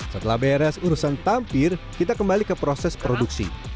setelah beres urusan tampir kita kembali ke proses produksi